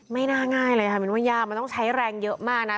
น่าง่ายเลยค่ะมินว่ายากมันต้องใช้แรงเยอะมากนะ